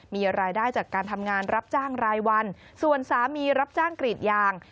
มีรายได้จากการทำงานรับจ้างรายวันส่วนสามีรับจ้างกรีดยาง